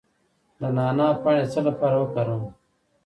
د نعناع پاڼې د څه لپاره وکاروم؟